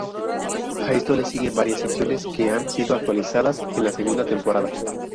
A esto le siguen varias secciones, que han sido actualizadas en la segunda temporada.